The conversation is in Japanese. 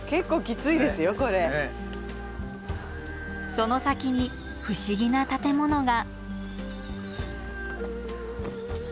その先に不思議な建物が。